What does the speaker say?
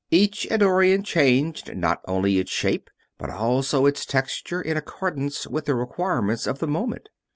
Each Eddorian changed, not only its shape, but also its texture, in accordance with the requirements of the moment.